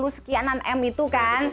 dua puluh sekianan m itu kan